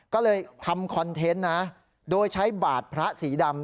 ก็เลยทำคอนเทนต์นะโดยใช้บาดพระสีดำ